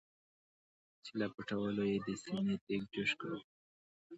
چې له پټولو یې د سینې دیګ جوش کاوه.